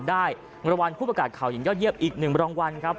รางวัลผู้ประกาศข่าวอย่างยอดเยี่ยมอีก๑รางวัลครับ